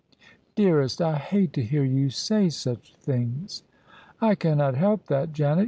" Dearest, I hate to hear you say such things." " I cannot help that, Janet.